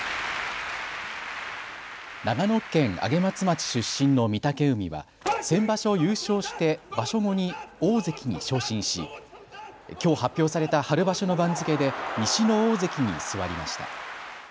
長野県上松町出身の御嶽海は、先場所優勝して場所後に大関に昇進し、きょう発表された春場所の番付で西の大関に座りました。